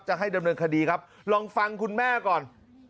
จะให้ดำเนินคดีครับลองฟังคุณแม่ก่อน